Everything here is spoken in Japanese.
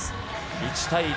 １対１。